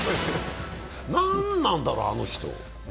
何なんだろう、あの人。